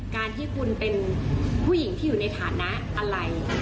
การที่คุณเป็นผู้หญิงที่อยู่ในฐานะอะไร